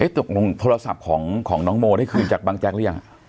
ตกลงโทรศัพท์ของน้องโมได้คืนจากบางแจ๊กหรือยัง